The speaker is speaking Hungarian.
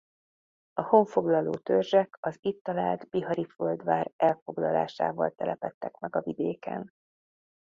A honfoglaló törzsek az itt talált bihari Földvár elfoglalásával telepedtek meg a vidéken.